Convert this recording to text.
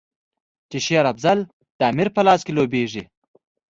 چې شېر افضل د امیر په لاس کې لوبیږي.